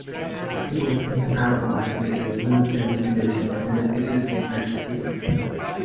People with incompatible ideas are removed and reconditioned, and if resistant, executed.